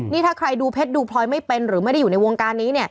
นี่ถ้าใครดูเพชรดูพลอยไม่เป็นหรือไม่ได้อยู่ในวงการนี้